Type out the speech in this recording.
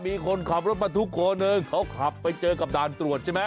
มีคนขับรถบรรทุกคนหนึ่งเขาขับไปเจอกับด่านตรวจใช่ไหม